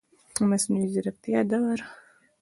د مصنوعي ځیرکتیا دور